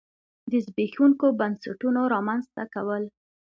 د زبېښونکو بنسټونو رامنځته کول.